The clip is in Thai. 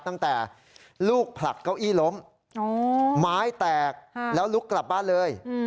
ตั้งแต่ลูกผลักเก้าอี้ล้มไม้แตกแล้วลุกกลับบ้านเลย